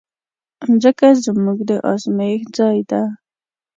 مځکه زموږ د ازمېښت ځای ده.